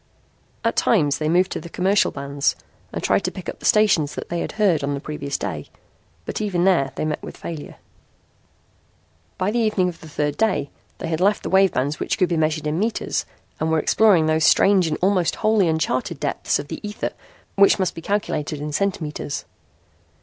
At times they moved to the commercial bands and tried to pick up the stations they had heard on the previous day, but even there they met with failure. By the evening of the third day they had left the wave bands which could be measured in meters and were exploring those strange and almost wholly uncharted depths of the ether which must be calculated in centimeters.